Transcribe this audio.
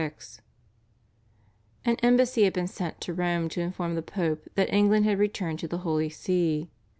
An embassy had been sent to Rome to inform the Pope that England had returned to the Holy See.